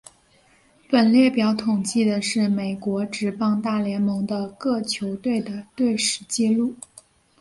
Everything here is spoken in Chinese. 本列表统计的是美国职棒大联盟的各球队的队史纪录。